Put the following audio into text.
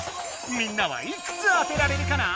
みんなはいくつ当てられるかな？